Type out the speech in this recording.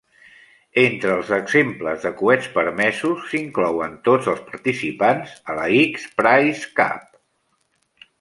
Entre els exemples de coets permesos s'inclouen tots els participants a la X Prize Cup.